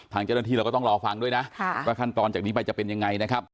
ทางเจ้าหน้าที่เราก็ต้องรอฟังด้วยนะว่าขั้นตอนจากนี้ไปจะเป็นยังไงนะครับ